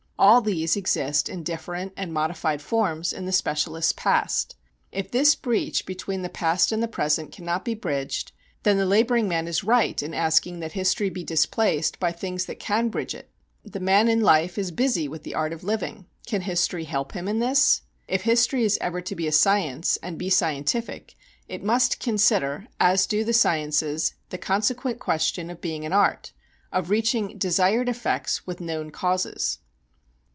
All these exist in different and modified forms in the specialist's past. If this breach between the past and present cannot be bridged, then the laboring man is right in asking that history be displaced by things that can bridge it. The man in life is busy with the art of living can history help him in this? If history is ever to be a science and be scientific, it must consider, as do the sciences, the consequent question of being an art of reaching desired effects with known causes.